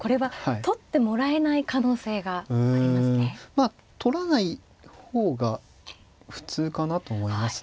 まあ取らない方が普通かなと思いますね。